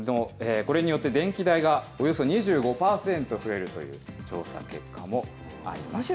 これによって、電気代がおよそ２５％増えるという調査結果もあります。